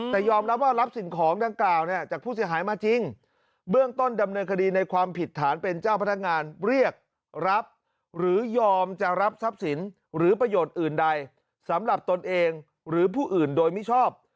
แต่ยอมรับว่ารับสิ่งของดังกล่าวเนี่ยจากผู้เสียหายมาจริงเบื้องต้นดำเนินคดีในความผิดฐานเป็นเจ้าพนักงานเรียกรับหรือยอมจะรับทรัพย์สินหรือประโยชน์อื่นใดสำหรับตนเองหรือผู้อื่นโดยมิชอบ